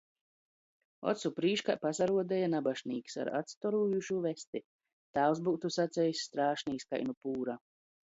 Ocu prīškā pasaruodeja nabašnīks ar atstorojūšū vesti, tāvs byutu sacejs – strāšnīs kai nu pūra.